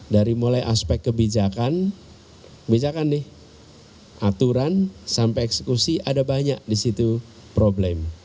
dari mulai aspek kebijakan nih aturan sampai eksekusi ada banyak di situ problem